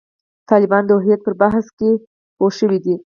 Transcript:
طالبان د هویت پر بحث کې پوه شوي دي.